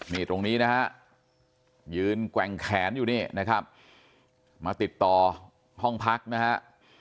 นี่ตรงนี้นะฮะยืนแกว่งแขนอยู่นี่นะครับมาติดต่อห้องพักนะฮะ